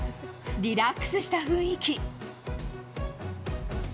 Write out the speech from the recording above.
リラックスした雰囲気。